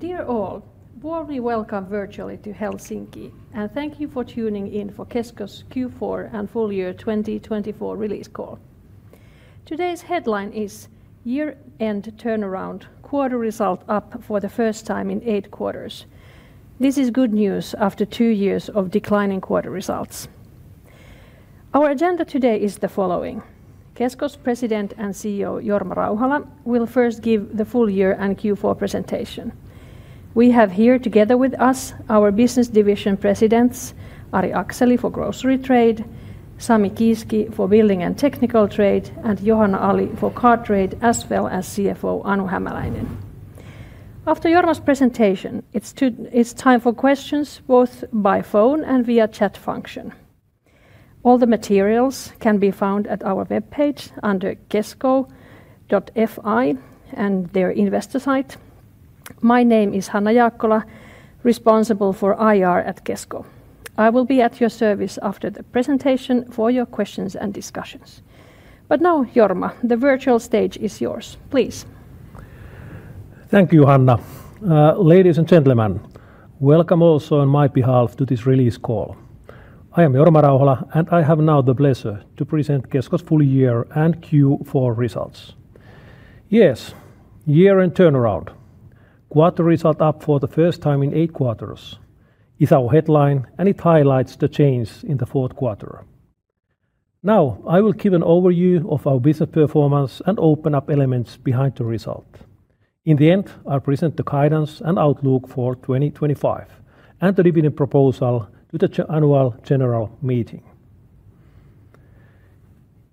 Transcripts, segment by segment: Dear all, warmly welcome virtually to Helsinki, and thank you for tuning in for Kesko Corporation Q4 and full year 2024 release call. Today's headline is: Year-end turnaround, quarter result up for the first time in eight quarters. This is good news after two years of declining quarter results. Our agenda today is the following: Kesko President and CEO Jorma Rauhala will first give the full year and Q4 presentation. We have here together with us our business division presidents, Ari Akseli for grocery trade, Sami Kiiski for building and technical trade, and Johanna Ali for car trade, as well as CFO Anu Hämäläinen. After Jorma's presentation, it's time for questions both by phone and via chat function. All the materials can be found at our webpage under kesko.fi and their investor site. My name is Hanna Jaakkola, responsible for IR at Kesko.I will be at your service after the presentation for your questions and discussions. But now, Jorma, the virtual stage is yours. Please. Thank you, Hanna. Ladies and gentlemen, welcome also on my behalf to this release call. I am Jorma Rauhala, and I have now the pleasure to present Kesko full year and Q4 results. Yes, year-end turnaround, quarter result up for the first time in eight quarters, is our headline, and it highlights the change in the fourth quarter. Now, I will give an overview of our business performance and open up elements behind the result. In the end, I'll present the guidance and outlook for 2025 and the revenue proposal to the annual general meeting.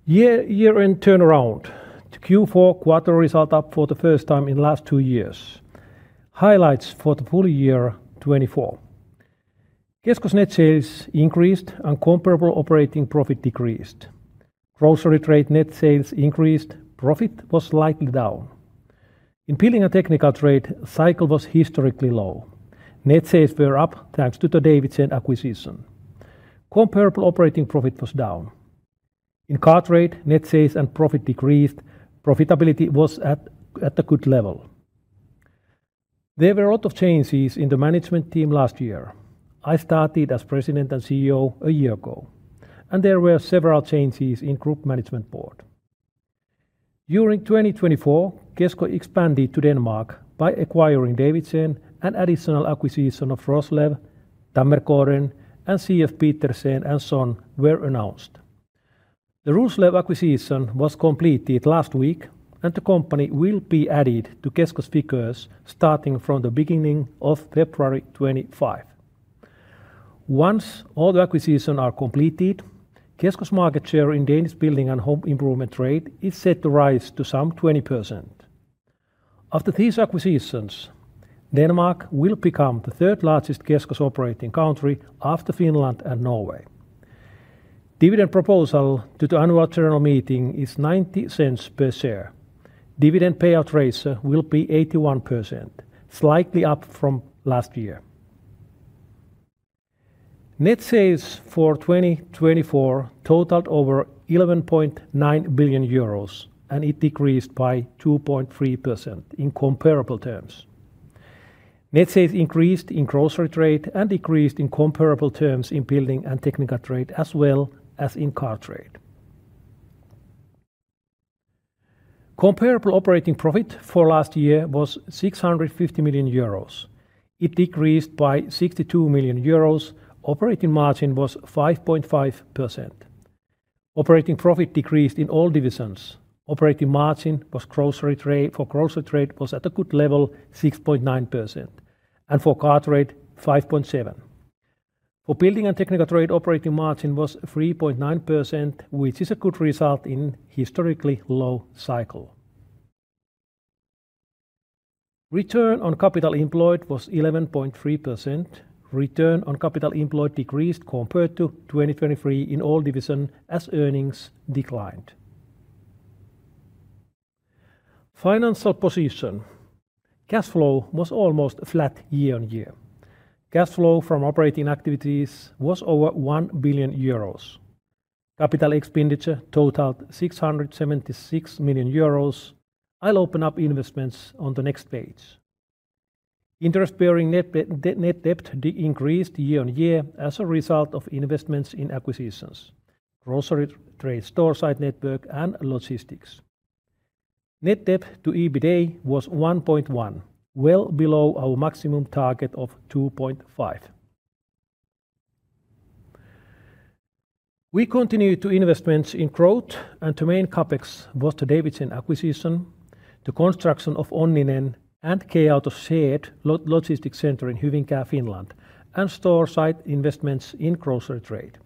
Year-end turnaround, Q4 quarter result up for the first time in the last two years, highlights for the full year 2024. Kesko net sales increased and comparable operating profit decreased. Grocery trade net sales increased, profit was slightly down. In building and technical trade, cycle was historically low. Net sales were up thanks to the Davidsen acquisition. Comparable operating profit was down. In car trade, net sales and profit decreased. Profitability was at a good level. There were a lot of changes in the management team last year. I started as president and CEO a year ago, and there were several changes in the group management board. During 2024, Kesko expanded to Denmark by acquiring Davidsen and additional acquisitions of Roslev, Tømmergaarden, and C.F. Petersen & Søn were announced. The Roslev acquisition was completed last week, and the company will be added to Kesko figures, starting from the beginning of February 2025. Once all the acquisitions are completed, Kesko market share in Danish building and home improvement trade is set to rise to some 20%. After these acquisitions, Denmark will become the third largest Kesko operating country after Finland and Norway. Dividend proposal to the annual general meeting is 0.90 per share. Dividend payout ratio will be 81%, slightly up from last year. Net sales for 2024 totaled over 11.9 billion euros, and it decreased by 2.3% in comparable terms. Net sales increased in grocery trade and decreased in comparable terms in building and technical trade, as well as in car trade. Comparable operating profit for last year was 650 million euros. It decreased by 62 million euros. Operating margin was 5.5%. Operating profit decreased in all divisions. Operating margin for grocery trade was at a good level, 6.9%, and for car trade, 5.7%. For building and technical trade, operating margin was 3.9%, which is a good result in a historically low cycle. Return on capital employed was 11.3%. Return on capital employed decreased compared to 2023 in all divisions as earnings declined. Financial position: Cash flow was almost flat year-on-year. Cash flow from operating activities was over 1 billion euros. Capital expenditure totaled 676 million euros. I'll open up investments on the next page. Interest-bearing net debt increased year on year as a result of investments in acquisitions: grocery trade, store site network, and logistics. Net debt to EBITDA was 1.1, well below our maximum target of 2.5. We continued to investments in growth, and the main CapEx was the Davidsen acquisition, the construction of Onninen and the build-out of shared logistics center in Hyvinkää, Finland, and store site investments in grocery trade.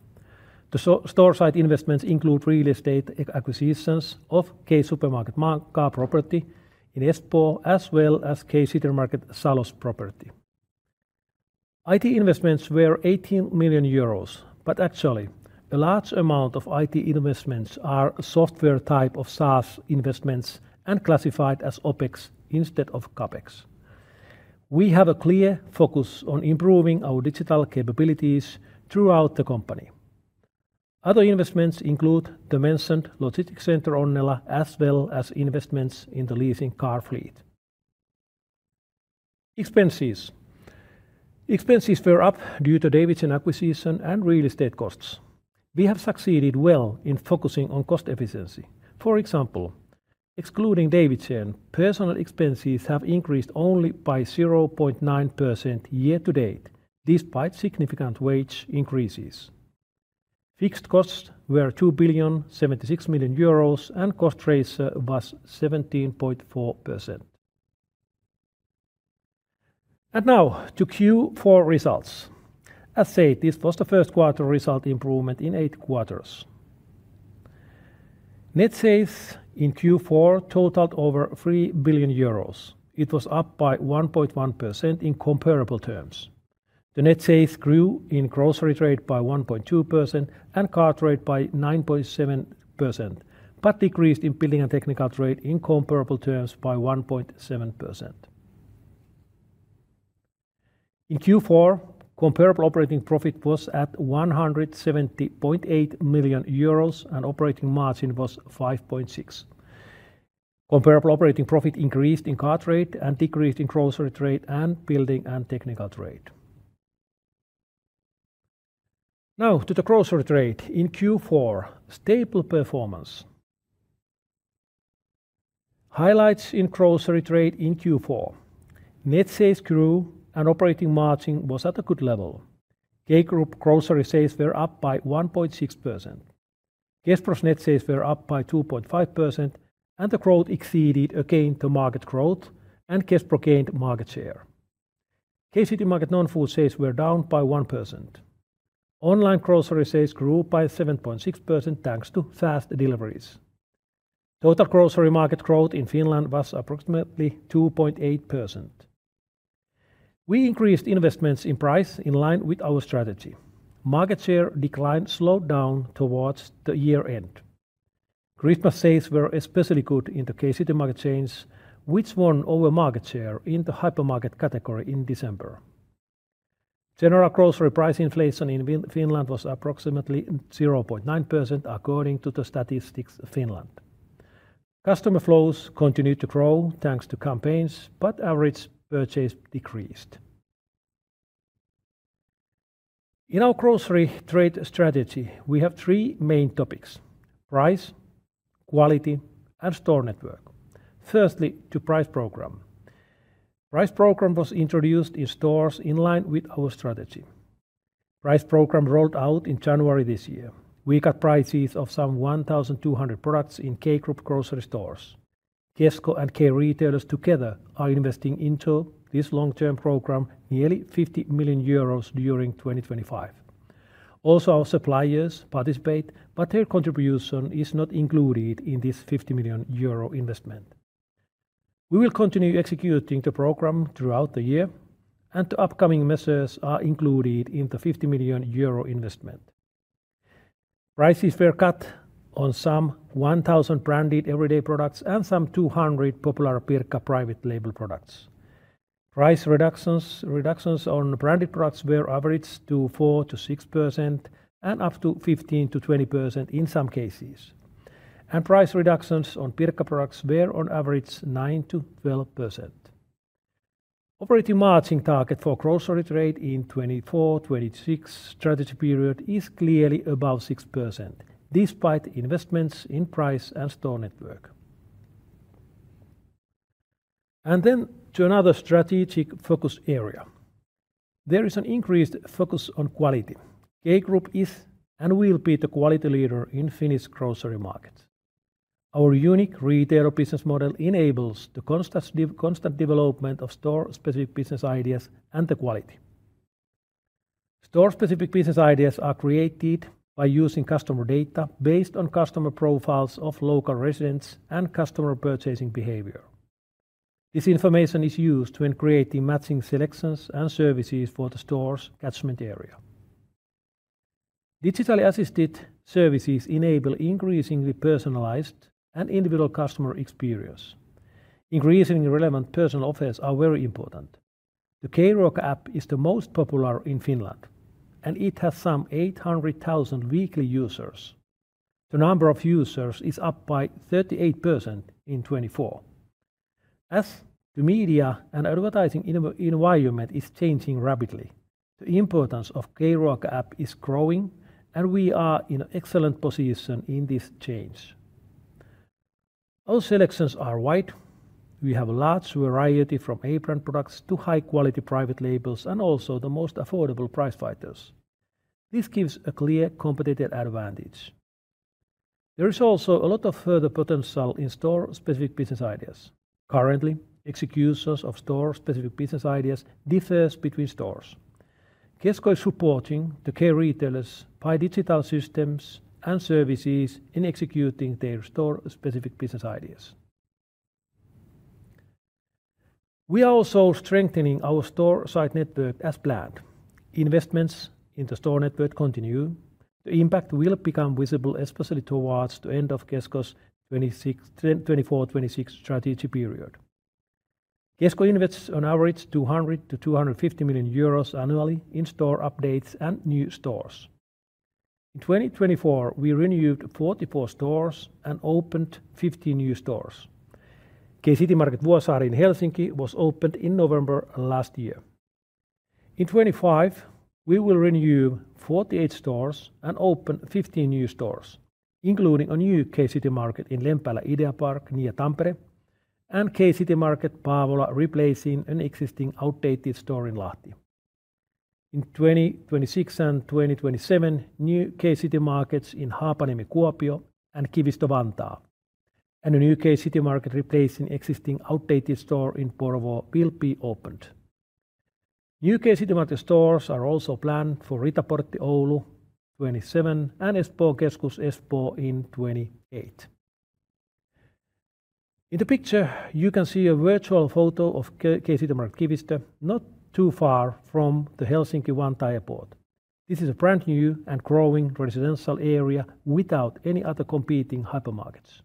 The store site investments include real estate acquisitions of K-Supermarket Karaportti in Espoo, as well as K-Citymarket Salo's property. IT investments were 18 million euros, but actually, a large amount of IT investments are software-type of SaaS investments and classified as OpEx instead of CapEx. We have a clear focus on improving our digital capabilities throughout the company. Other investments include the mentioned logistics center Onnela, as well as investments in the leasing car fleet. Expenses were up due to Davidsen acquisition and real estate costs. We have succeeded well in focusing on cost efficiency. For example, excluding Davidsen, personnel expenses have increased only by 0.9% year to date, despite significant wage increases. Fixed costs were 2.76 billion, and cost ratio was 17.4%. And now to Q4 results. As said, this was the first quarter result improvement in eight quarters. Net sales in Q4 totaled over 3 billion euros. It was up by 1.1% in comparable terms. The net sales grew in grocery trade by 1.2% and car trade by 9.7%, but decreased in building and technical trade in comparable terms by 1.7%. In Q4, comparable operating profit was at 170.8 million euros, and operating margin was 5.6%. Comparable operating profit increased in car trade and decreased in grocery trade and building and technical trade. Now to the grocery trade in Q4, stable performance. Highlights in grocery trade in Q4: Net sales grew and operating margin was at a good level. K Group grocery sales were up by 1.6%. Kespro's net sales were up by 2.5%, and the growth exceeded again the market growth and Kespro gained market share. K-Citymarket non-food sales were down by 1%. Online grocery sales grew by 7.6% thanks to fast deliveries. Total grocery market growth in Finland was approximately 2.8%. We increased investments in price in line with our strategy. Market share decline slowed down towards the year-end. Christmas sales were especially good in the K-Citymarket chains. Which won over market share in the hypermarket category in December. General grocery price inflation in Finland was approximately 0.9% according to Statistics Finland. Customer flows continued to grow thanks to campaigns, but average purchase decreased. In our grocery trade strategy, we have three main topics: price, quality, and store network. Firstly, the price program. Price program was introduced in stores in line with our strategy. Price program rolled out in January this year. We got prices of some 1,200 products in K Group grocery stores. Kesko and K retailers together are investing into this long-term program, nearly 50 million euros during 2025. Also, our suppliers participate, but their contribution is not included in this 50 million euro investment. We will continue executing the program throughout the year, and the upcoming measures are included in the 50 million euro investment. Prices were cut on some 1,000 branded everyday products and some 200 popular Pirkka private label products. Price reductions on branded products were averaged to 4%-6% and up to 15%-20% in some cases, and price reductions on Pirkka products were on average 9%-12%. Operating margin target for grocery trade in 2024-2026 strategy period is clearly above 6%, despite investments in price and store network, and then to another strategic focus area. There is an increased focus on quality. K Group is and will be the quality leader in Finnish grocery market. Our unique retailer business model enables the constant development of store-specific business ideas and the quality. Store-specific business ideas are created by using customer data based on customer profiles of local residents and customer purchasing behavior. This information is used when creating matching selections and services for the store's catchment area. Digitally assisted services enable increasingly personalized and individual customer experience. Increasingly relevant personal offers are very important. The K-Ruoka app is the most popular in Finland, and it has some 800,000 weekly users. The number of users is up by 38% in 2024. As the media and advertising environment is changing rapidly, the importance of K-Ruoka app is growing, and we are in an excellent position in this change. Our selections are wide. We have a large variety from A-brand products to high-quality private labels and also the most affordable price fighters. This gives a clear competitive advantage. There is also a lot of further potential in store-specific business ideas. Currently, executions of store-specific business ideas differ between stores. Kesko is supporting the K retailers by digital systems and services in executing their store-specific business ideas. We are also strengthening our store site network as planned. Investments in the store network continue. The impact will become visible especially towards the end of Kesko's 2024-2026 strategy period. Kesko invests on average 200-250 million euros annually in store updates and new stores. In 2024, we renewed 44 stores and opened 50 new stores. K-Citymarket Vuosaari in Helsinki was opened in November last year. In 2025, we will renew 48 stores and open 15 new stores, including a new K-Citymarket in Lempäälä Ideapark near Tampere, and K-Citymarket Paavola replacing an existing outdated store in Lahti. In 2026 and 2027, new K-Citymarkets in Haapaniemi, Kuopio, and Kivistö, Vantaa, and a new K-Citymarket replacing existing outdated store in Porvoo will be opened. New K-Citymarket stores are also planned for Ritaportti, Oulu in 2027, and Espoon Keskus, Espoo in 2028. In the picture, you can see a virtual photo of. K-Citymarket Kivistö, not too far from the Helsinki-Vantaa Airport. This is a brand new and growing residential area without any other competing hypermarkets.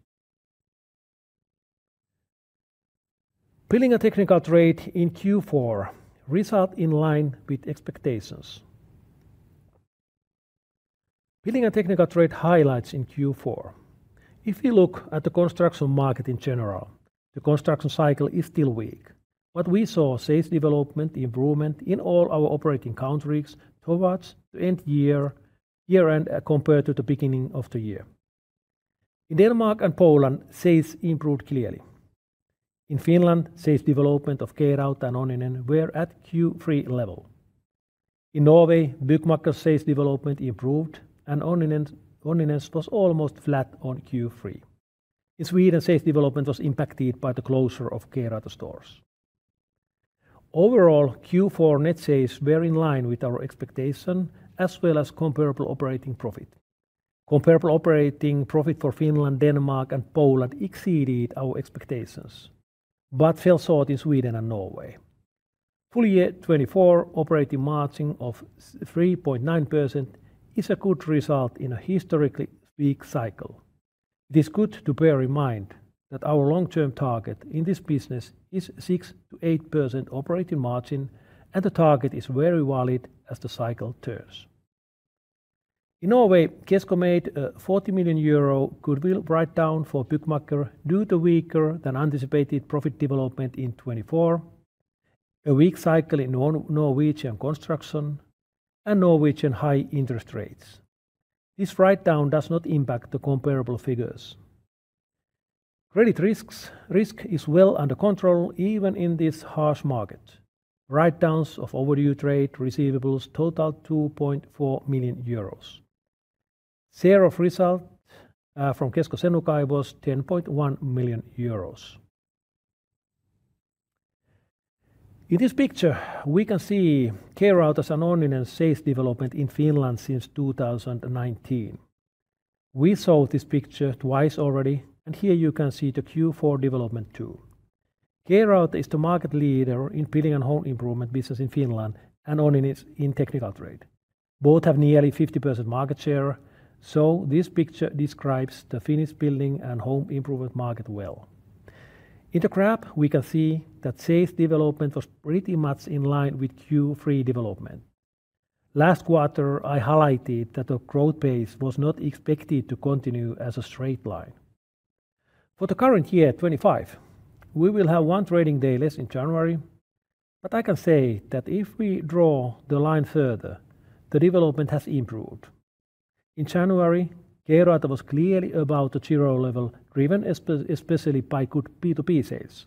Building and technical trade in Q4 result in line with expectations. Building and technical trade highlights in Q4. If we look at the construction market in general, the construction cycle is still weak, but we saw sales development improvement in all our operating countries towards the year-end compared to the beginning of the year. In Denmark and Poland, sales improved clearly. In Finland, sales development of K-Rauta and Onninen were at Q3 level. In Norway, Byggmakker's sales development improved, and Onninen's was almost flat on Q3. In Sweden, sales development was impacted by the closure of K-Rauta stores. Overall, Q4 net sales were in line with our expectation, as well as comparable operating profit. Comparable operating profit for Finland, Denmark, and Poland exceeded our expectations, but fell short in Sweden and Norway. Full year 2024 operating margin of 3.9% is a good result in a historically weak cycle. It is good to bear in mind that our long-term target in this business is 6-8% operating margin, and the target is very valid as the cycle turns. In Norway, Kesko made a 40 million euro goodwill write-down for Byggmakker due to weaker than anticipated profit development in 2024, a weak cycle in Norwegian construction, and Norwegian high interest rates. This write-down does not impact the comparable figures. Credit risk is well under control even in this harsh market. Write-downs of overdue trade receivables totaled 2.4 million euros. Share of result from Kesko Senukai was 10.1 million euros. In this picture, we can see K-Rauta's and Onninen's sales development in Finland since 2019. We saw this picture twice already, and here you can see the Q4 development too. K-Rauta is the market leader in building and home improvement business in Finland and Onninen is in technical trade. Both have nearly 50% market share, so this picture describes the Finnish building and home improvement market well. In the graph, we can see that sales development was pretty much in line with Q3 development. Last quarter, I highlighted that the growth pace was not expected to continue as a straight line. For the current year, 2025, we will have one trading day less in January, but I can say that if we draw the line further, the development has improved. In January, K-Rauta was clearly above the zero level, driven especially by good B2B sales.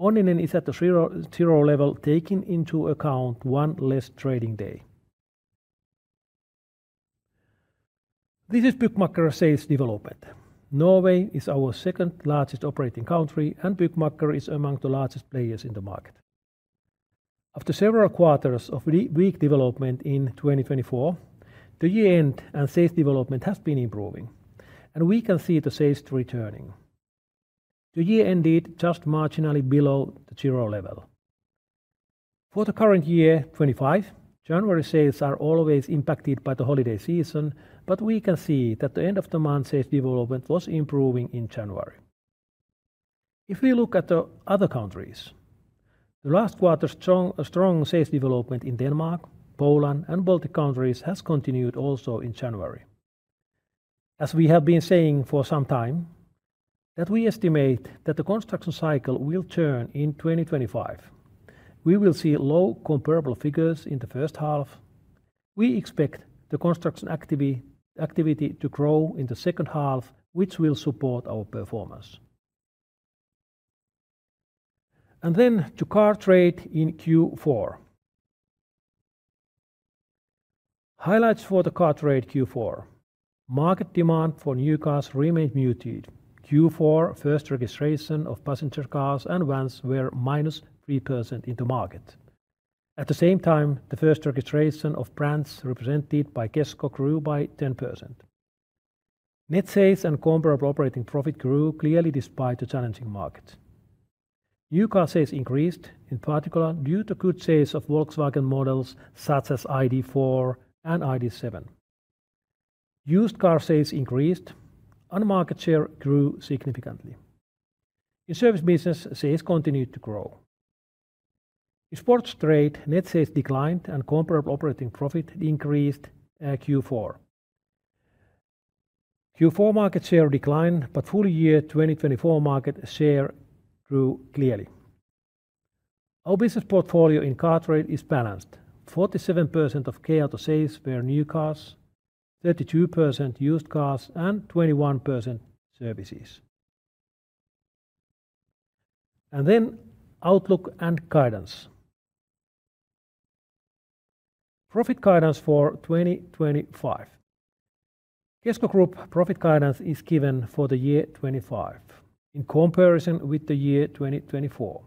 Onninen is at the zero level, taking into account one less trading day. This is Byggmakker's sales development. Norway is our second largest operating country, and Byggmakker is among the largest players in the market. After several quarters of weak development in 2024, the year-end and sales development has been improving, and we can see the sales returning. The year-end did just marginally below the zero level. For the current year, 2025, January sales are always impacted by the holiday season, but we can see that the end-of-the-month sales development was improving in January. If we look at the other countries, the last quarter's strong sales development in Denmark, Poland, and Baltic countries has continued also in January. As we have been saying for some time, that we estimate that the construction cycle will turn in 2025. We will see low comparable figures in the first half. We expect the construction activity to grow in the second half, which will support our performance. Then to car trade in Q4. Highlights for the car trade Q4. Market demand for new cars remained muted. Q4 first registration of passenger cars and vans were minus 3% in the market. At the same time, the first registration of brands represented by Kesko grew by 10%. Net sales and comparable operating profit grew clearly despite the challenging market. New car sales increased, in particular due to good sales of Volkswagen models such as ID.4 and ID.7. Used car sales increased, and market share grew significantly. In service business, sales continued to grow. In sports trade, net sales declined and comparable operating profit increased Q4. Q4 market share declined, but full year 2024 market share grew clearly. Our business portfolio in car trade is balanced. 47% of K-Rauta sales were new cars, 32% used cars, and 21% services. Then outlook and guidance. Profit guidance for 2025. Kesko Group profit guidance is given for the year 2025 in comparison with the year 2024.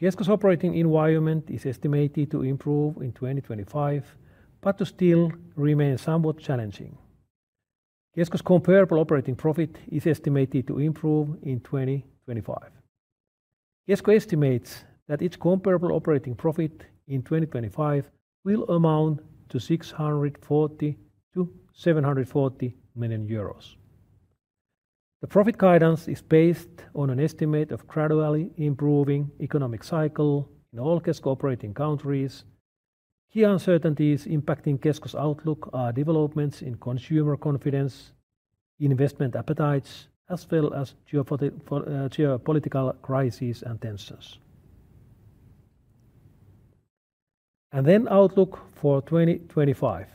Kesko's operating environment is estimated to improve in 2025, but to still remain somewhat challenging. Kesko's comparable operating profit is estimated to improve in 2025. Kesko estimates that its comparable operating profit in 2025 will amount to 640-740 million euros. The profit guidance is based on an estimate of gradually improving economic cycle in all Kesko operating countries. Key uncertainties impacting Kesko's outlook are developments in consumer confidence, investment appetites, as well as geopolitical crises and tensions. And then outlook for 2025.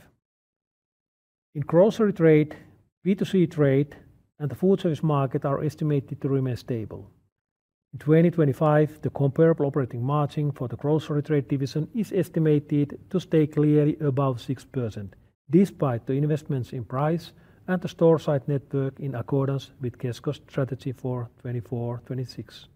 In grocery trade, B2C trade, and the food service market are estimated to remain stable. In 2025, the comparable operating margin for the grocery trade division is estimated to stay clearly above 6%, despite the investments in price and the store site network in accordance with Kesko's strategy for 2024-2026.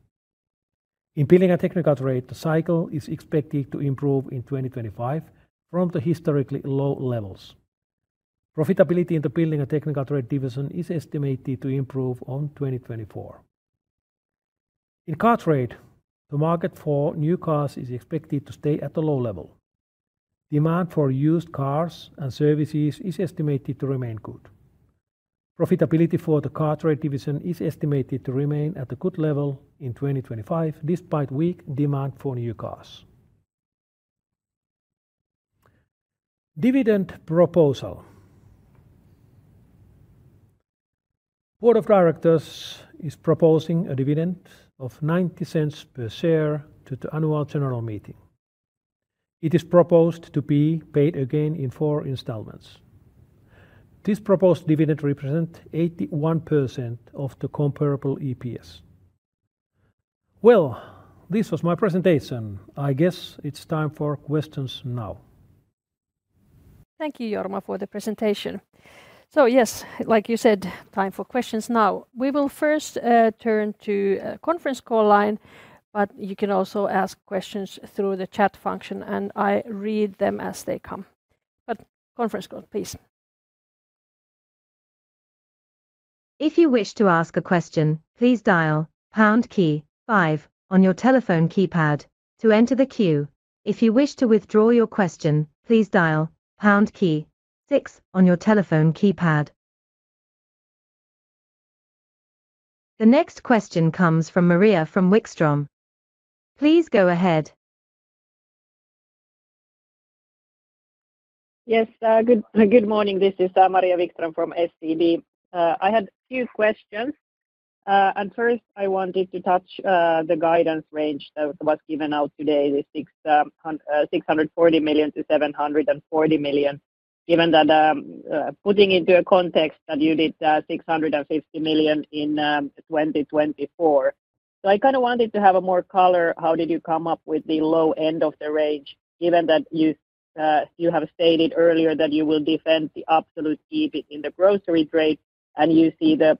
In building and technical trade, the cycle is expected to improve in 2025 from the historically low levels. Profitability in the building and technical trade division is estimated to improve in 2024. In car trade, the market for new cars is expected to stay at a low level. Demand for used cars and services is estimated to remain good. Profitability for the car trade division is estimated to remain at a good level in 2025, despite weak demand for new cars. Dividend proposal. Board of Directors is proposing a dividend of 0.90 per share to the annual general meeting. It is proposed to be paid again in four installments. This proposed dividend represents 81% of the comparable EPS. This was my presentation. I guess it's time for questions now. Thank you, Jorma, for the presentation. Yes, like you said, time for questions now. We will first turn to a conference call line, but you can also ask questions through the chat function, and I read them as they come. But conference call, please. If you wish to ask a question, please dial pound key five on your telephone keypad to enter the queue. If you wish to withdraw your question, please dial pound key six on your telephone keypad. The next question comes from Maria Wikström. Please go ahead. Yes, good morning. This is Maria Wikström from SEB. I had a few questions. And first, I wanted to touch the guidance range that was given out today, the 640 million-740 million, given that putting into a context that you did 650 million in 2024. So I kind of wanted to have a more color. How did you come up with the low end of the range, given that you have stated earlier that you will defend the absolute EBIT in the grocery trade, and you see this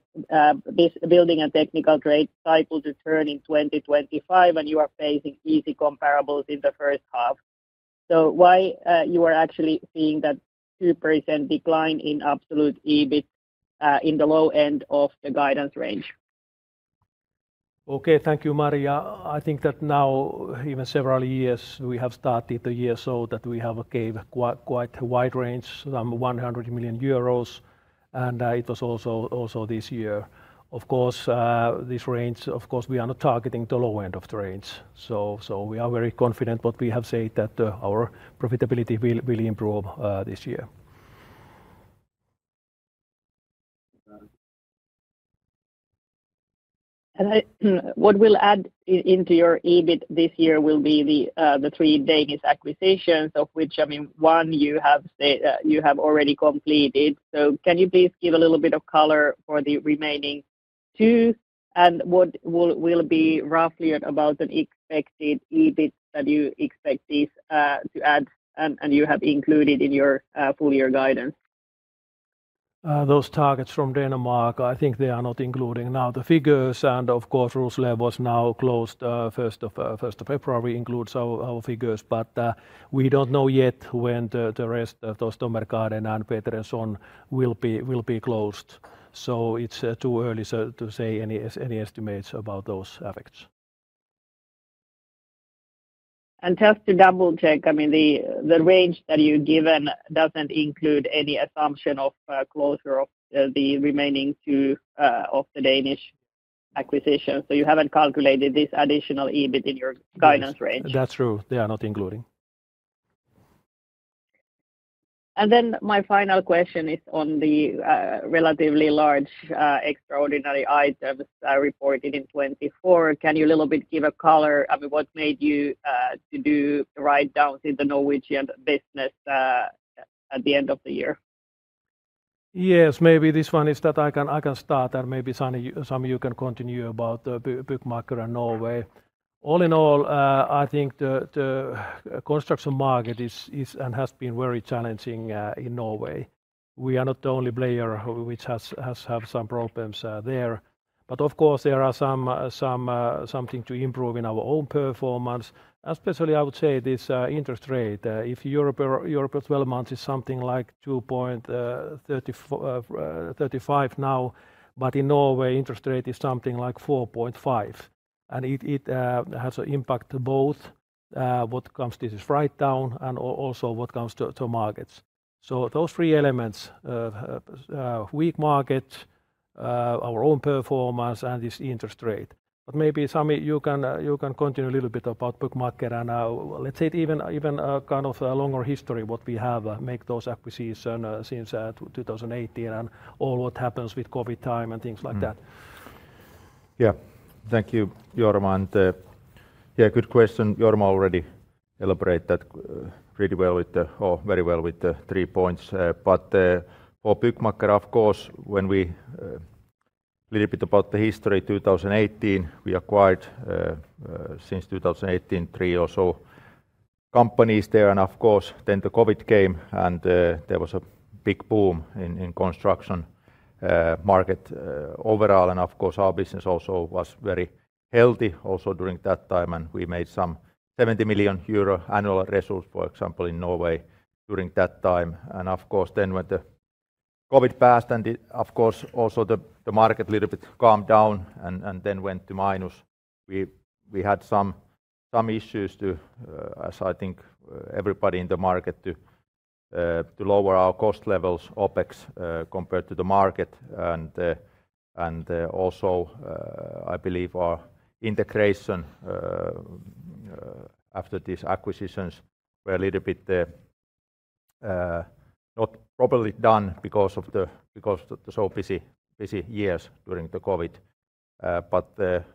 building and technical trade cycle to turn in 2025, and you are facing easy comparables in the first half? So why you are actually seeing that 2% decline in absolute EBIT in the low end of the guidance range? Okay, thank you, Maria. I think that now, even several years, we have started the year so that we have gave quite a wide range, some 100 million euros, and it was also this year. Of course, this range, of course, we are not targeting the low end of the range. So we are very confident what we have said that our profitability will improve this year. What we'll add into your EBIT this year will be the three Danish acquisitions, of which, I mean, one you have already completed. Can you please give a little bit of color for the remaining two, and what will be roughly about an expected EBIT that you expect these to add and you have included in your full year guidance? Those targets from Denmark, I think they are not including now the figures. And of course, Roslev now closed 1st of February, includes our figures, but we don't know yet when the rest of those Tømmergaarden and Petersen will be closed. It's too early to say any estimates about those effects. Just to double-check, I mean, the range that you've given doesn't include any assumption of closure of the remaining two of the Danish acquisitions. You haven't calculated this additional EBIT in your guidance range. That's true. They are not including. And then my final question is on the relatively large extraordinary items reported in 2024. Can you a little bit give a color, I mean, what made you write down the Norwegian business at the end of the year? Yes, maybe this one is that I can start, and maybe Sami you can continue about Byggmakker and Norway. All in all, I think the construction market is and has been very challenging in Norway. We are not the only player which has had some problems there. But of course, there are some things to improve in our own performance. Especially, I would say this interest rate. If Europe's development is something like 2.35% now, but in Norway, interest rate is something like 4.5%. And it has an impact to both what comes to this write-down and also what comes to markets. Those three elements, weak market, our own performance, and this interest rate. But maybe Sami, you can continue a little bit about Byggmakker and let's say even kind of a longer history what we have made those acquisitions since 2018 and all what happens with COVID time and things like that. Yeah, thank you, Jorma. And yeah, good question. Jorma already elaborated that pretty well with the or very well with the three points. But for Byggmakker, of course, when we a little bit about the history 2018, we acquired since 2018 three or so companies there, and of course, then the COVID came and there was a big boom in construction market overall, and of course, our business also was very healthy also during that time, and we made some 70 million euro annual results, for example, in Norway during that time. Of course, then when the COVID passed and of course also the market a little bit calmed down and then went to minus, we had some issues to, as I think everybody in the market, to lower our cost levels, OpEx, compared to the market. And also, I believe our integration after these acquisitions were a little bit not properly done because of the so busy years during the COVID. But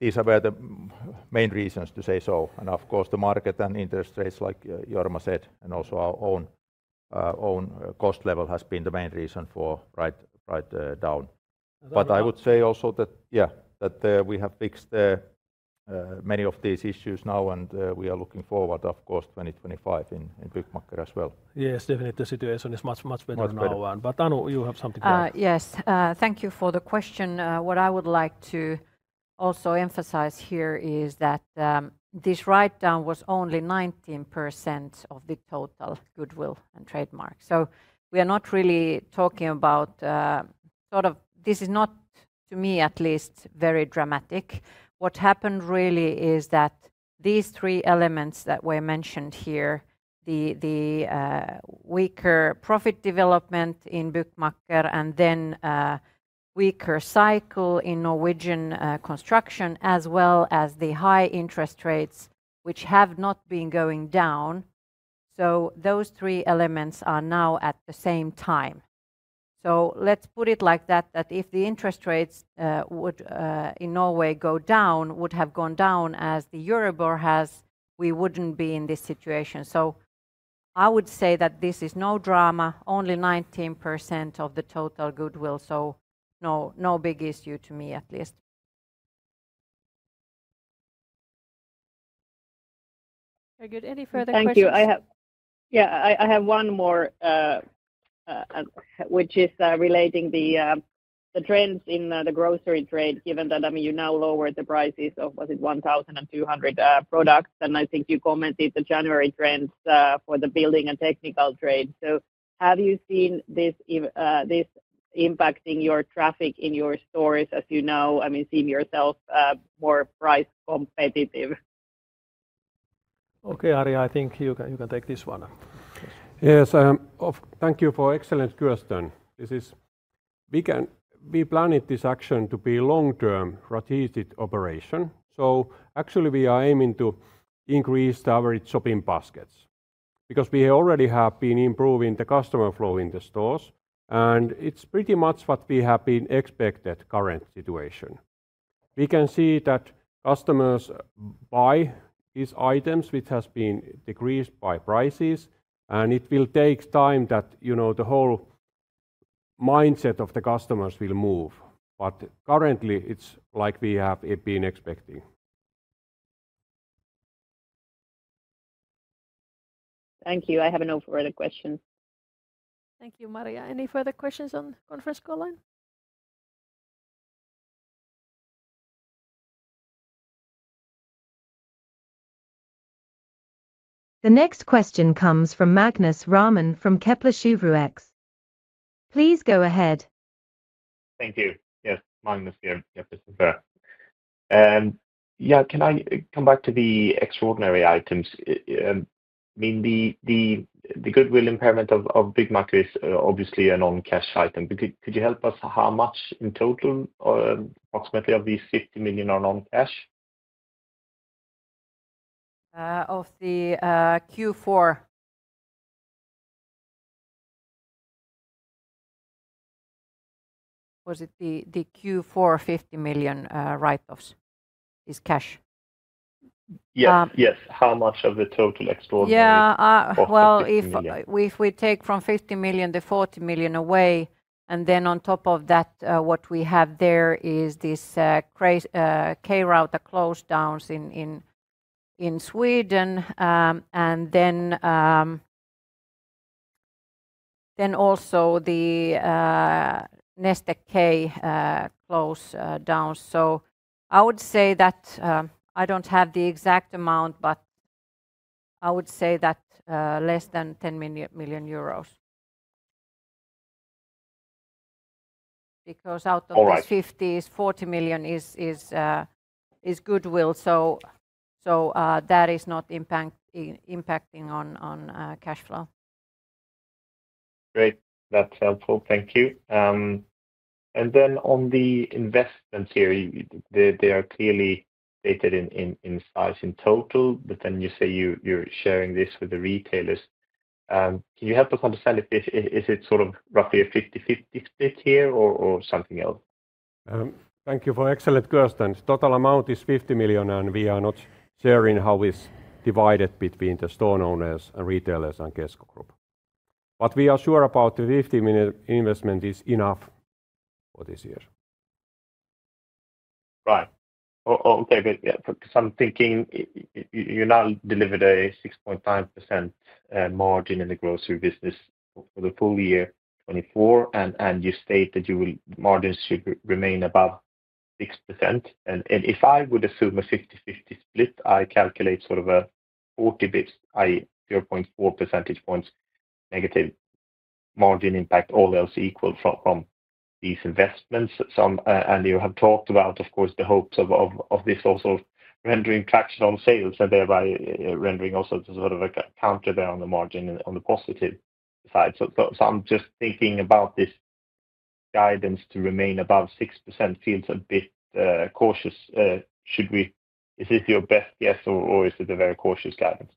these are the main reasons to say so. Of course, the market and interest rates, like Jorma said, and also our own cost level has been the main reason for write-down. But I would say also that, yeah, that we have fixed many of these issues now, and we are looking forward, of course, 2025 in Byggmakker as well. Yes, definitely the situation is much better now. But Anu, you have something to add? Yes, thank you for the question. What I would like to also emphasize here is that this write-down was only 19% of the total Goodwill and trademark. So we are not really talking about sort of this is not, to me at least, very dramatic. What happened really is that these three elements that were mentioned here, the weaker profit development in Byggmakker and then weaker cycle in Norwegian construction, as well as the high interest rates, which have not been going down. So those three elements are now at the same time. So let's put it like that, that if the interest rates in Norway go down, would have gone down as the Euribor has, we wouldn't be in this situation. So I would say that this is no drama, only 19% of the total Goodwill, so no big issue to me at least. Any further questions? Yeah, I have one more, which is relating to the trends in the grocery trade, given that, I mean, you now lowered the prices of, was it 1,200 products, and I think you commented on the January trends for the building and technical trade. So have you seen this impacting your traffic in your stores, as you now, I mean, seeing yourself more price competitive? Okay, Ari, I think you can take this one. Yes, thank you for the excellent question. This is, we planned this action to be a long-term strategic operation. So actually, we are aiming to increase the average shopping baskets because we already have been improving the customer flow in the stores, and it's pretty much what we have been expecting in the current situation. We can see that customers buy these items, which has been decreased by prices, and it will take time that the whole mindset of the customers will move. But currently, it's like we have been expecting. Thank you. I have no further questions. Thank you, Maria. Any further questions on conference call line? The next question comes from Magnus Råman from Kepler Cheuvreux. Please go ahead. Thank you. Yes, Magnus here. Yeah, can I come back to the extraordinary items? I mean, the Goodwill impairment of Byggmakker is obviously a non-cash item. Could you help us how much in total, approximately of these 50 million are non-cash? Of the Q4. Was it the Q4 50 million write-offs is cash? Yes, yes. How much of the total extraordinary? Yeah, well, if we take from 50 million the 40 million away, and then on top of that, what we have there is these K-Rauta close downs in Sweden, and then also the Neste K close downs. So I would say that I don't have the exact amount, but I would say that less than 10 million euros. Because out of these 50, 40 million is Goodwill, so that is not impacting on cash flow. Great. That's helpful. Thank you. And then on the investments here, they are clearly stated in size in total, but then you say you're sharing this with the retailers. Can you help us understand if it's sort of roughly a 50-50 split here or something else? Thank you for excellent questions. Total amount is 50 million, and we are not sharing how it's divided between the store owners and retailers and Kesko Group. But we are sure about the 50 million investment is enough for this year. Right. Okay, so I'm thinking you now delivered a 6.9% margin in the grocery business for the full year 2024, and you state that your margins should remain above 6%. And if I would assume a 50-50 split, I calculate sort of a 0.4 percentage points negative margin impact, all else equal from these investments. And you have talked about, of course, the hopes of this also rendering traction on sales and thereby rendering also sort of a counter there on the margin on the positive side. So I'm just thinking about this guidance to remain above 6% feels a bit cautious. Is this your best guess, or is it a very cautious guidance?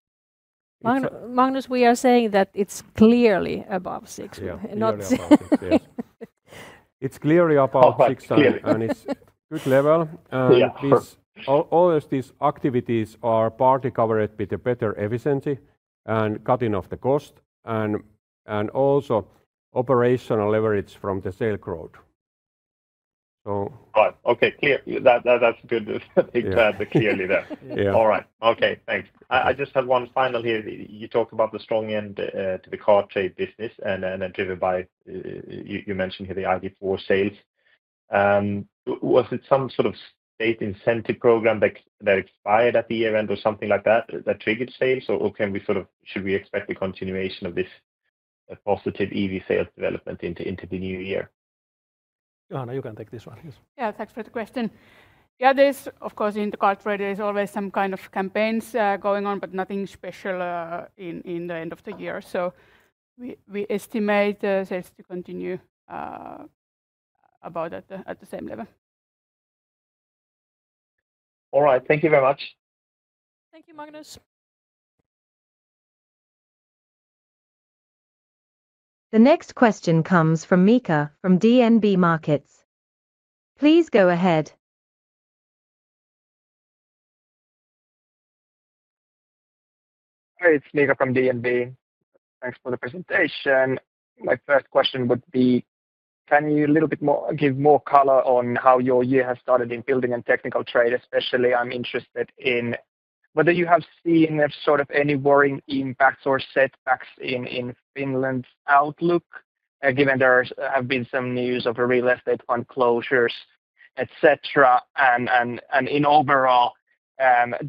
Magnus, we are saying that it's clearly above 6%. It's clearly above 6%, and it's good level. And all these activities are partly covered with a better efficiency and cutting of the cost, and also operational leverage from the sale growth. Right. Okay, clear. That's good. Exactly. Clearly there. All right. Okay, thanks. I just had one final here. You talked about the strong end to the car trade business, and then driven by, you mentioned here the ID.4 sales. Was it some sort of state incentive program that expired at the year-end or something like that that triggered sales, or can we sort of, should we expect the continuation of this positive EV sales development into the new year? Johanna, you can take this one. Yes. Yeah, thanks for the question. Yeah, there's, of course, in the car trade, there's always some kind of campaigns going on, but nothing special in the end of the year. So we estimate sales to continue about at the same level. All right. Thank you very much. Thank you, Magnus. The next question comes from Miika from DNB Markets. Please go ahead. Hi, it's Miika from DNB. Thanks for the presentation. My first question would be, can you a little bit more give more color on how your year has started in building and technical trade? Especially, I'm interested in whether you have seen sort of any worrying impacts or setbacks in Finland's outlook, given there have been some news of real estate fund closures, etc. And in overall,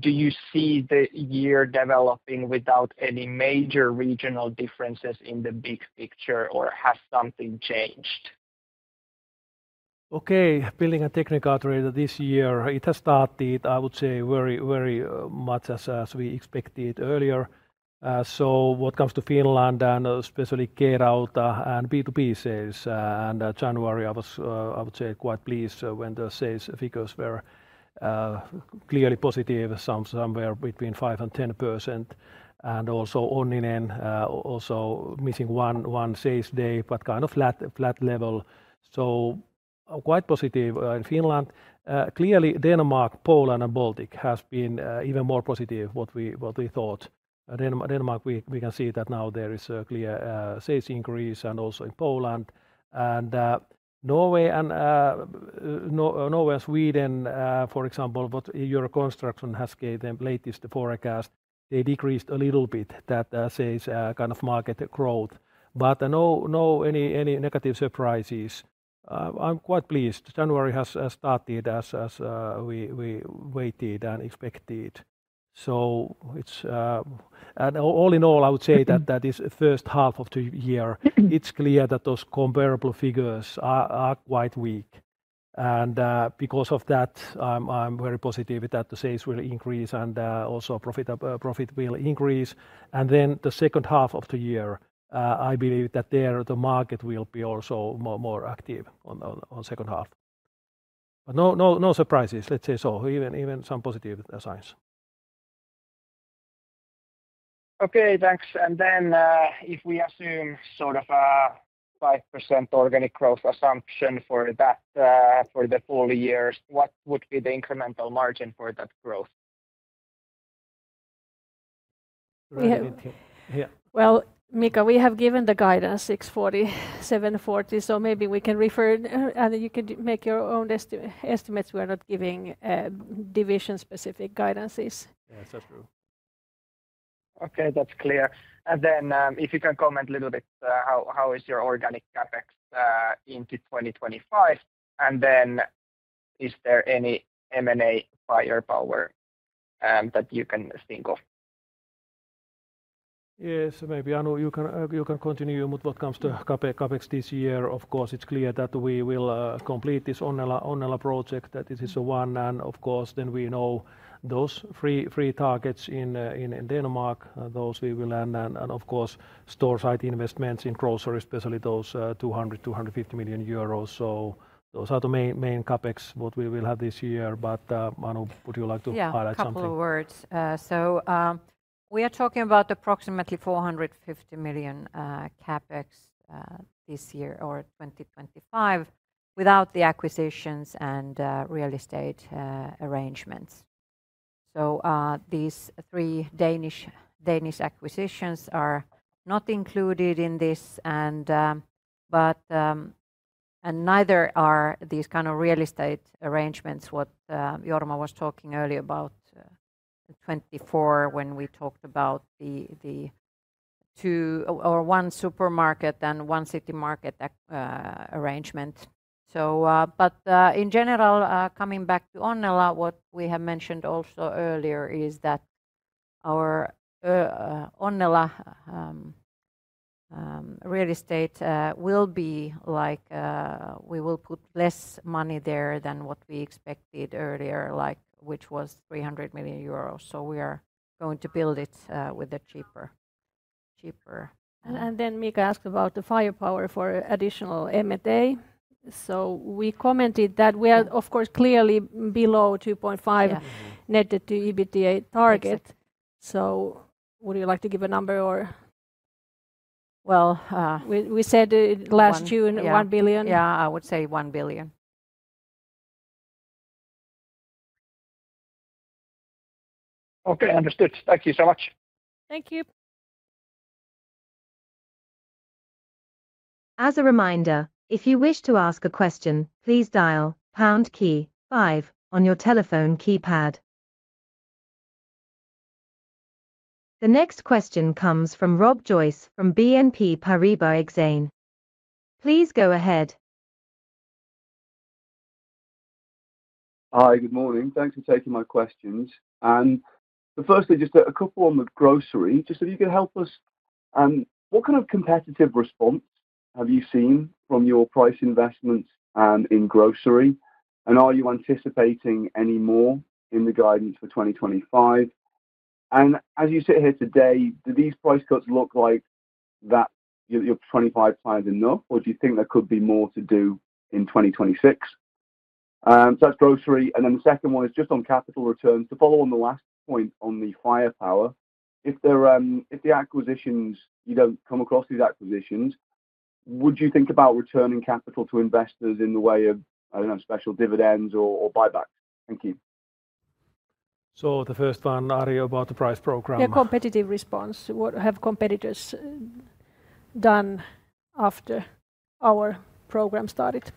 do you see the year developing without any major regional differences in the big picture, or has something changed? Okay, building and technical trade this year, it has started, I would say, very much as we expected earlier. So what comes to Finland, and especially K-Rauta and B2B sales, and January, I was, I would say, quite pleased when the sales figures were clearly positive, somewhere between 5%-10%. And also Onninen also missing one sales day, but kind of flat level. So quite positive in Finland. Clearly, Denmark, Poland, and Baltic have been even more positive than we thought. Denmark, we can see that now there is a clear sales increase, and also in Poland. And Norway and Sweden, for example, what Euroconstruct has given latest forecast, they decreased a little bit that sales kind of market growth. But no negative surprises. I'm quite pleased. January has started as we waited and expected. So all in all, I would say that this first half of the year, it's clear that those comparable figures are quite weak. And because of that, I'm very positive that the sales will increase and also profit will increase. And then the second half of the year, I believe that there the market will be also more active on second half. But no surprises, let's say so. Even some positive signs. Okay, thanks. And then if we assume sort of a 5% organic growth assumption for the full year, what would be the incremental margin for that growth? Well, Miika, we have given the guidance 640-740, so maybe we can refer, and you can make your own estimates. We are not giving division-specific guidances. Yes, that's true. Okay, that's clear. And then if you can comment a little bit, how is your organic CapEx into 2025? And then is there any M&A firepower that you can think of? Yes, maybe Anu, you can continue, but what comes to CapEx this year, of course, it's clear that we will complete this Onnela project. This is a one, and of course, then we know those three targets in Denmark, those we will land, and of course, store site investments in grocery, especially those 200-250 million euros. So those are the main CapEx what we will have this year. But Anu, would you like to highlight something? Yeah, a couple of words. So we are talking about approximately 450 million CapEx this year or 2025 without the acquisitions and real estate arrangements. So these three Danish acquisitions are not included in this, but neither are these kind of real estate arrangements what Jorma was talking earlier about 2024 when we talked about the two or one supermarket and one city market arrangement. But in general, coming back to Onnela, what we have mentioned also earlier is that our Onnela real estate will be like we will put less money there than what we expected earlier, which was 300 million euros. So we are going to build it with the cheaper. And then Miika asked about the firepower for additional M&A. So we commented that we are, of course, clearly below 2.5 netted to EBITDA target. So would you like to give a number or? Well, we said last June 1 billion. Yeah, I would say 1 billion. Okay, understood. Thank you so much. Thank you. As a reminder, if you wish to ask a question, please dial pound key five on your telephone keypad. The next question comes from Rob Joyce from BNP Paribas Exane. Please go ahead. Hi, good morning. Thanks for taking my questions. Firstly, just a couple on the grocery, just if you could help us, what kind of competitive response have you seen from your price investments in grocery? Are you anticipating any more in the guidance for 2025? As you sit here today, do these price cuts look like that you're 25 times enough, or do you think there could be more to do in 2026? That's grocery. Then the second one is just on capital returns. To follow on the last point on the firepower, if the acquisitions, you don't come across these acquisitions, would you think about returning capital to investors in the way of, I don't know, special dividends or buybacks? Thank you. The first one, Ari, about the price program. Yeah, competitive response. What have competitors done after our program started?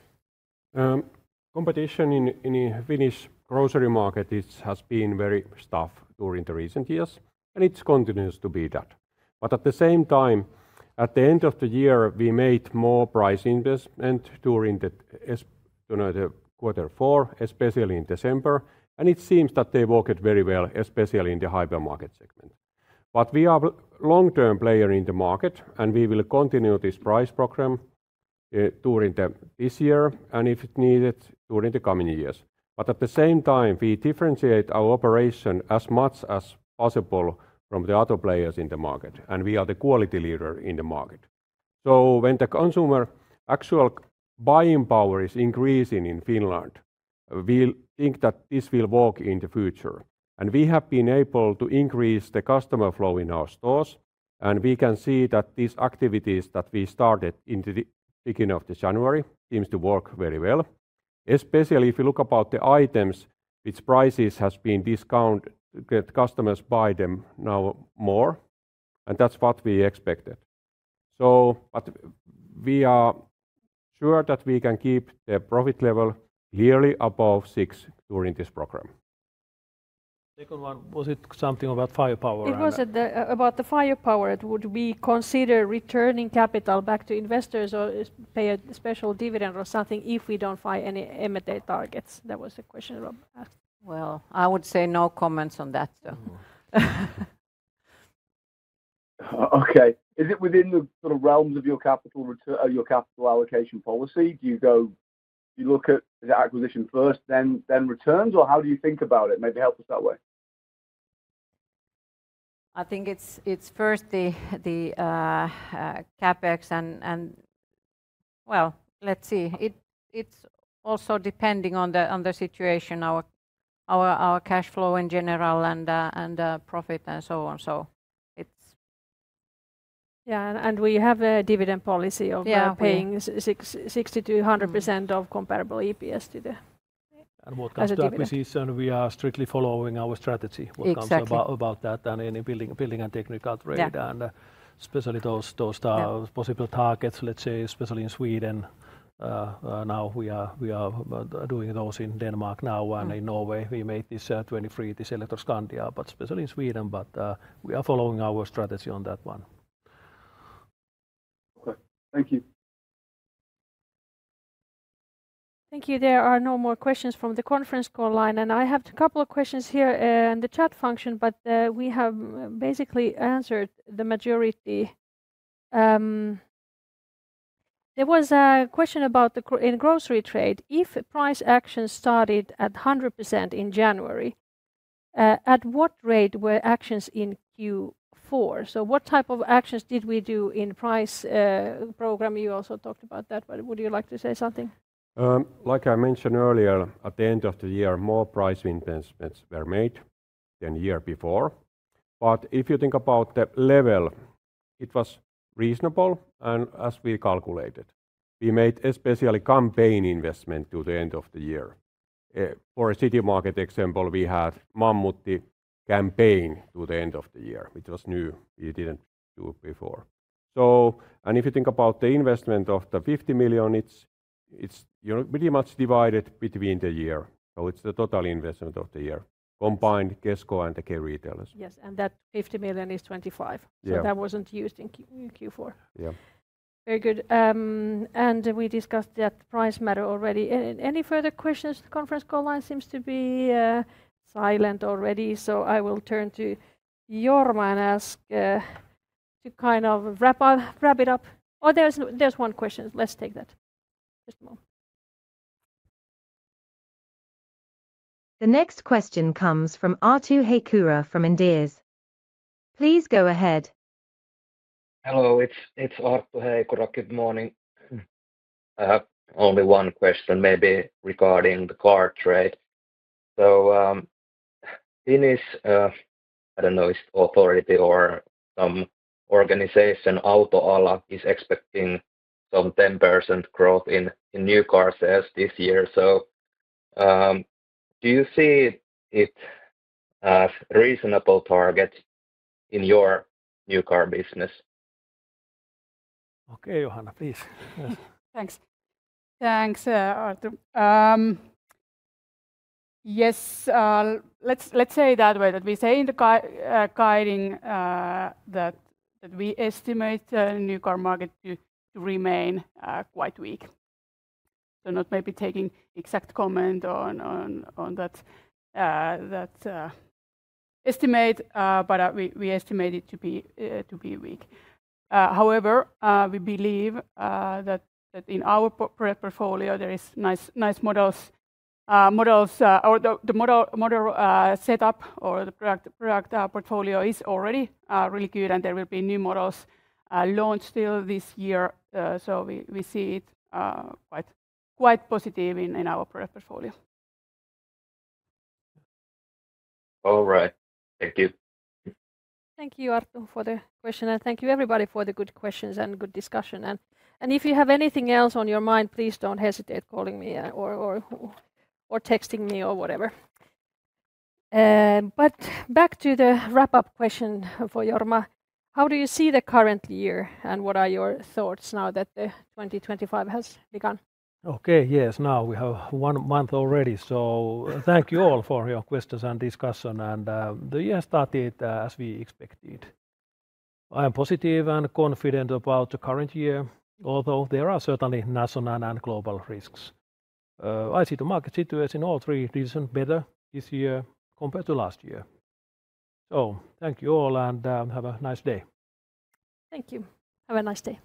Competition in the Finnish grocery market has been very tough during the recent years, and it continues to be that. But at the same time, at the end of the year, we made more price investment during the quarter four, especially in December, and it seems that they worked very well, especially in the hypermarket segment. But we are a long-term player in the market, and we will continue this price program during this year and if needed during the coming years. But at the same time, we differentiate our operation as much as possible from the other players in the market, and we are the quality leader in the market. So when the consumer actual buying power is increasing in Finland, we think that this will work in the future. We have been able to increase the customer flow in our stores, and we can see that these activities that we started in the beginning of January seem to work very well, especially if you look about the items which prices have been discounted that customers buy them now more, and that's what we expected. We are sure that we can keep the profit level clearly above six during this program. Second one, was it something about firepower? It was about the firepower. Would we consider returning capital back to investors or pay a special dividend or something if we don't find any M&A targets? That was the question Rob asked. I would say no comments on that. Okay. Is it within the realms of your capital allocation policy? Do you look at the acquisition first, then returns, or how do you think about it? Maybe help us that way. I think it's first the CapEx and, well, let's see. It's also depending on the situation, our cash flow in general and profit and so on. Yeah, and we have a dividend policy paying 60%-100% of comparable EPS to the. And what comes to the acquisition, we are strictly following our strategy. Exactly What comes about that and building and technical trade, and especially those possible targets, let's say, especially in Sweden. Now we are doing those in Denmark now, and in Norway, we made this in 2023, this Elektroskandia, but especially in Sweden, but we are following our strategy on that one. Okay, thank you. Thank you. There are no more questions from the conference call line, and I have a couple of questions here in the chat function, but we have basically answered the majority. There was a question about the grocery trade. If price actions started at 100% in January, at what rate were actions in Q4? So what type of actions did we do in price program? You also talked about that, but would you like to say something? Like I mentioned earlier, at the end of the year, more price investments were made than the year before. But if you think about the level, it was reasonable, and as we calculated, we made especially campaign investment to the end of the year. For a K-Citymarket example, we had Mammutti campaign to the end of the year, which was new. We didn't do it before. And if you think about the investment of the 50 million, it's pretty much divided between the year. So it's the total investment of the year, combined Kesko and the K-Retailers. Yes, and that 50 million is 25. So that wasn't used in Q4. Yeah. Very good. And we discussed that price matter already. Any further questions? The conference call line seems to be silent already, so I will turn to Jorma and ask to kind of wrap it up. Oh, there's one question. Let's take that. Just a moment. The next question comes from Arttu Heikura from Inderes. Please go ahead. Hello, it's Arttu Heikura. Good morning. I have only one question maybe regarding the car trade. So Finnish, I don't know if it's authority or some organization, Autoalan is expecting some 10% growth in new car sales this year. So do you see it as a reasonable target in your new car business? Okay, Johanna, please. Thanks. Thanks, Arttu. Yes, let's say it that way, that we say in the guidance that we estimate the new car market to remain quite weak. So not maybe taking exact comment on that estimate, but we estimate it to be weak. However, we believe that in our portfolio, there are nice models. The model setup or the product portfolio is already really good, and there will be new models launched still this year. So we see it quite positive in our product portfolio. All right. Thank you. Thank you, Arttu, for the question, and thank you everybody for the good questions and good discussion. And if you have anything else on your mind, please don't hesitate calling me or texting me or whatever. But back to the wrap-up question for Jorma. How do you see the current year, and what are your thoughts now that the 2025 has begun? Okay, yes. Now we have one month already. So thank you all for your questions and discussion, and the year started as we expected. I am positive and confident about the current year, although there are certainly national and global risks. I see the market situation all three reasons better this year compared to last year. So thank you all, and have a nice day. Thank you. Have a nice day.